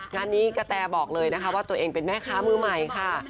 งานนี้กระแตบอกเลยนะคะว่าตัวเองเป็นแม่ค้ามือใหม่ค่ะ